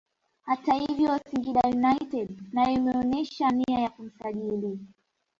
Hata hivyo Singida United nayo imeonyesha nia ya kumsajili